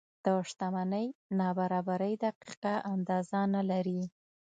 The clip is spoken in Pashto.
د شتمنۍ نابرابرۍ دقیقه اندازه نه لري.